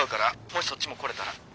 もしそっちも来れたら。